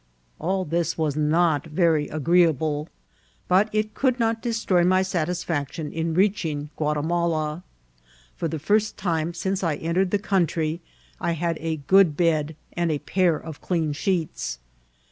All this wee not very agreeable, but it could Bot destroy my satisCsetion in reaching Guatimala. For the first time since I entered the country, I had a good bed and a pair of clean dieets.